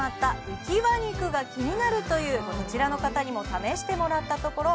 浮輪肉が気になるというこちらの方にも試してもらったところ